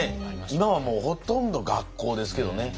今はもうほとんど学校ですけどね。